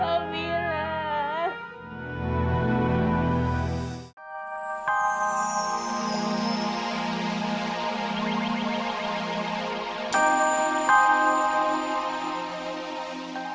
ayah linet kamu ayah